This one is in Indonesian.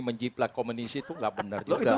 menjiplak komunis itu gak benar juga